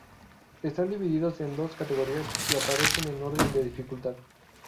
Están divididos en dos categorías y aparecen en orden de dificultad.